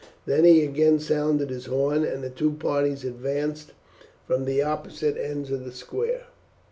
Then he again sounded his horn, and the two parties advanced from the opposite ends of the square.